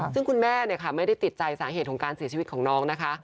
ซึ่งคุณแม่ไม่ได้ติดใจสาเหตุของการเสียชีวิตของน้องนะคะ